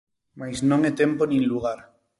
Mais non é tempo nin lugar.